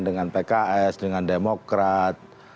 dengan pks dengan demokrat